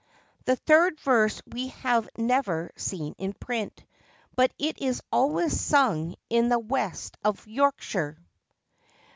The third verse we have never seen in print, but it is always sung in the west of Yorkshire.